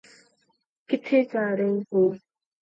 More bonds make the total bond shorter and stronger.